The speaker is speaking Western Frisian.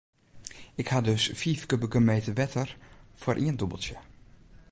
Ik ha dus fiif kubike meter wetter foar ien dûbeltsje.